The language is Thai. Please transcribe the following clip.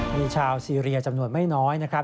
มีชาวซีเรียจำนวนไม่น้อยนะครับ